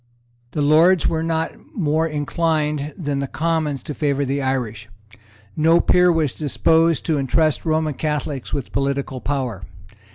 The Lords were not more inclined than the Commons to favour the Irish. No peer was disposed to entrust Roman Catholics with political power.